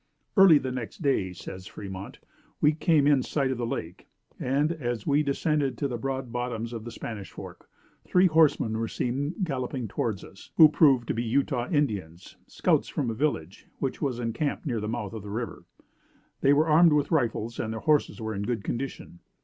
"Early the next day," says Fremont, "we came in sight of the lake; and, as we descended to the broad bottoms of the Spanish Fork, three horsemen were seen galloping towards us, who proved to be Utah Indians scouts from a village, which was encamped near the mouth of the river. They were armed with rifles, and their horses were in good condition.